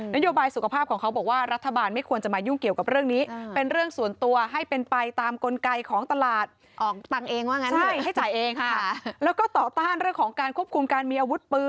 นโยบายสุขภาพของเขาบอกว่ารัฐบาลไม่ควรจะมายุ่งเกี่ยวกับเรื่องนี้